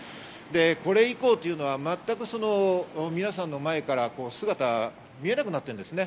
これ以降というのは全く皆さんの前から姿が見えなくなってるんですね。